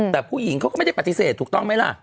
แต่ผู้หญิงเขาก็ไม่ได้ปฏิเสธถูกต้องไหมล่ะ